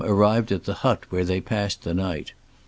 arrived at the hut, where they passed the night.